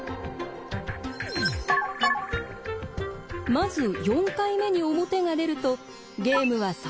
まず４回目に表が出るとゲームはそこで終了します。